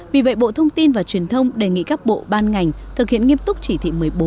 vì vậy bộ thông tin và truyền thông đề nghị các bộ ban ngành thực hiện nghiêm túc chỉ thị một mươi bốn